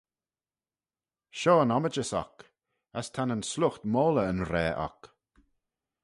Shoh'n ommijys oc, as ta nyn sluight moylley yn raa oc.